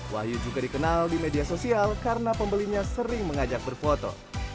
wahyu juga dikenal di media sosial karena pembelinya sering mengajak berfoto